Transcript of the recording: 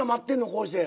こうして。